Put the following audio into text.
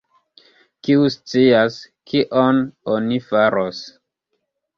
kiu scias, kion oni faros?